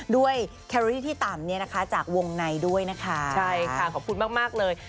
แครอรี่ที่ต่ำเนี่ยนะคะจากวงในด้วยนะคะใช่ค่ะขอบคุณมากมากเลย